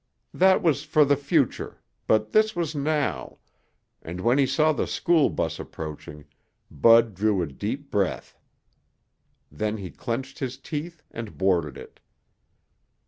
That was for the future, but this was now, and when he saw the school bus approaching, Bud drew a deep breath. Then he clenched his teeth and boarded it.